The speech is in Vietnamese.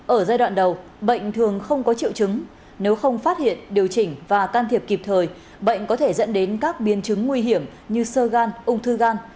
ở giai đoạn đầu bệnh thường không có triệu chứng nếu không phát hiện điều chỉnh và can thiệp kịp thời bệnh có thể dẫn đến các biến chứng nguy hiểm như sơ gan ung thư gan